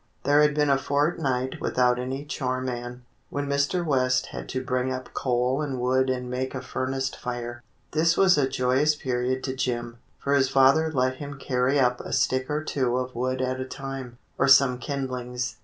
There had been a fortnight without any chore man, when Mr. West had to bring up coal and wood and make a furnace fire. This was a joyous period to Jim, for his father let him carry up a stick or two of wood at a time, or some kindlings.